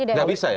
tidak bisa ya